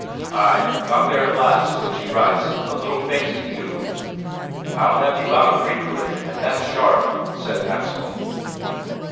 "Ay, got there at last, so she writes, but little thanks to you." "I'll have you out of Breidablik, and that sharp," said Axel.